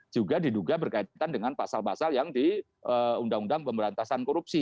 juga diduga berkaitan dengan pasal pasal yang di undang undang pemberantasan korupsi